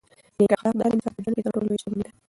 نېک اخلاق د هر انسان په ژوند کې تر ټولو لویه شتمني ده.